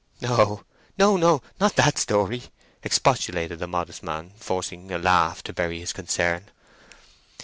"No, no, no; not that story!" expostulated the modest man, forcing a laugh to bury his concern.